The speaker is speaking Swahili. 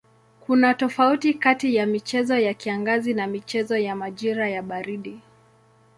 Kuna tofauti kati ya michezo ya kiangazi na michezo ya majira ya baridi.